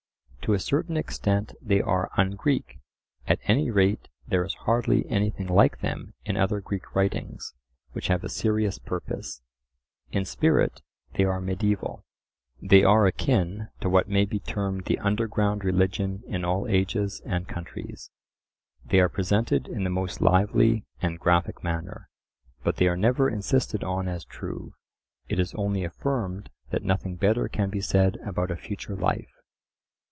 To a certain extent they are un Greek; at any rate there is hardly anything like them in other Greek writings which have a serious purpose; in spirit they are mediaeval. They are akin to what may be termed the underground religion in all ages and countries. They are presented in the most lively and graphic manner, but they are never insisted on as true; it is only affirmed that nothing better can be said about a future life.